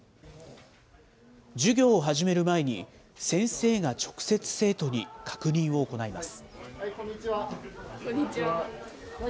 授業を始める前に、先生が直接生徒に確認を行います。